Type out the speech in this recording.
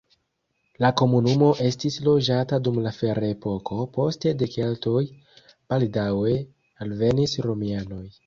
La komunumo estis loĝata dum la ferepoko, poste de keltoj, baldaŭe alvenis romianoj.